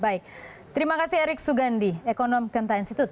baik terima kasih erik sugandi ekonom kenta institute